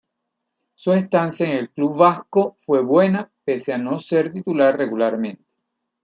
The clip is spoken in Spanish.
Su estancia en el club vasco fue buena pese a no ser titular regularmente.